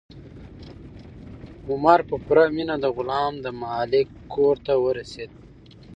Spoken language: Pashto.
عمر په پوره مینه د غلام د مالک کور ته ورسېد.